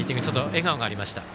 笑顔がありました。